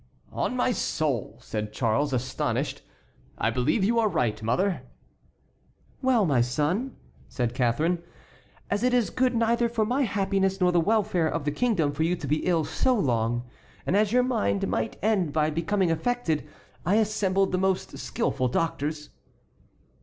"On my soul!" said Charles, astonished, "I believe you are right, mother." "Well, my son," said Catharine, "as it is good neither for my happiness nor the welfare of the kingdom for you to be ill so long, and as your mind might end by becoming affected, I assembled the most skilful doctors."